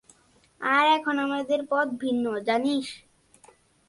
আর এখন আমাদের পথ ভিন্ন, জানিস?